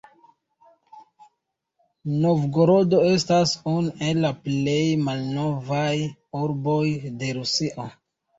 Novgorodo estas unu el la plej malnovaj urboj de Rusio.